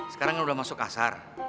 sekarang kan udah masuk kasar